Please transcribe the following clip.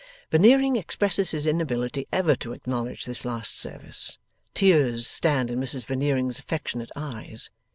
Veneering expresses his inability ever to acknowledge this last service. Tears stand in Mrs Veneering's affectionate eyes.